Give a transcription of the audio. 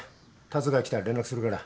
竜が来たら連絡するから。